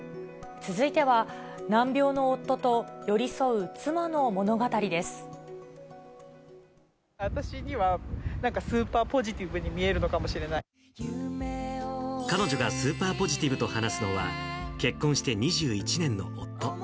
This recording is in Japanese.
続いては、私にはなんか、スーパーポジ彼女がスーパーポジティブと話すのは、結婚して２１年の夫。